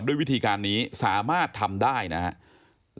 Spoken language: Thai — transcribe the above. ด้วยวิธีการนี้สามารถทำได้นะครับ